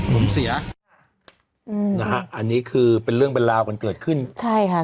ผมเสียอืมนะฮะอันนี้คือเป็นเรื่องเป็นราวกันเกิดขึ้นใช่ค่ะ